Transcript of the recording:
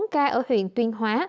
bốn ca ở huyện tuyên hóa